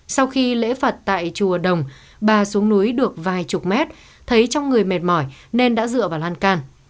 sau khi lễ phật tại chùa đồng bà xuống núi được vài chục mét thấy trong người mệt mỏi nên đã dựa vào lan can